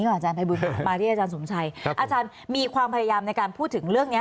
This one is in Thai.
อาจารย์มีความพยายามในการพูดถึงเรื่องนี้